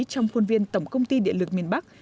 trong khuôn viên tổng công ty điện lực miền bắc